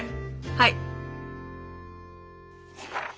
はい！